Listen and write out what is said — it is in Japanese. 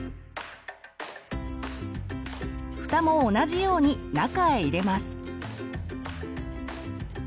フタも同じように中へ入れます。